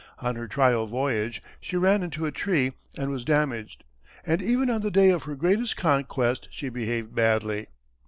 On her trial voyage she ran into a tree and was damaged, and even on the day of her greatest conquest she behaved badly.